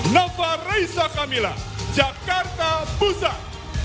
nafla raisa kamila jakarta pusat